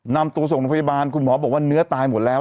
นำตัวส่งโรงพยาบาลคุณหมอบอกว่าเนื้อตายหมดแล้ว